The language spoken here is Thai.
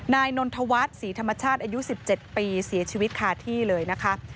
นายนนทวัฒน์ศรีธรรมชาติอายุ๑๗ปีเสียชีวิตคาที่เลยนะคะ